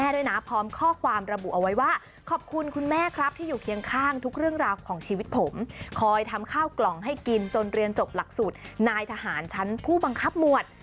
โดนเรียนจบหลักสูตรนายทหารชั้นผู้บังคับหมวด